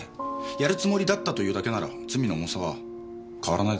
やるつもりだったというだけなら罪の重さは変わらないだろう。